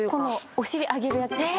お尻上げるやつです。